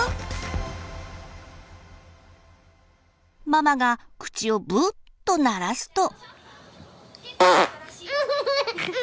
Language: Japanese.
ママが口を「ぶぅ」と鳴らすと。